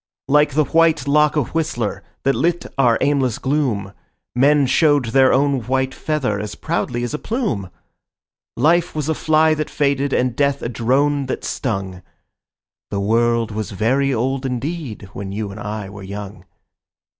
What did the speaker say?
Like the white lock of Whistler, that lit our aimless gloom, Men showed their own white feather as proudly as a plume. Life was a fly that faded, and death a drone that stung; The world was very old indeed when you and I were young.